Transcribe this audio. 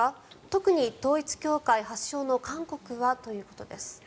特に統一教会発祥の韓国はということです。